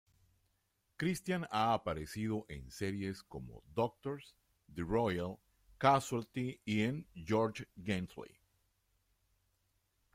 Christian ha aparecido en series como Doctors, "The Royal", Casualty y en "George Gently".